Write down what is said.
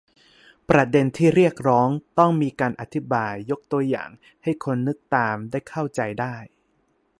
ประเด็นที่เรียกร้องต้องมีการอธิบายยกตัวอย่างให้คนนึกตามได้เข้าใจได้